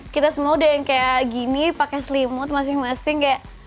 kita semua udah yang kayak gini pakai selimut masing masing kayak